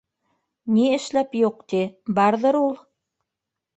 -Ни эшләп юҡ, ти, барҙыр ул.